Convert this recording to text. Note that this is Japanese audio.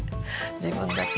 自分だけ。